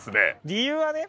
理由はね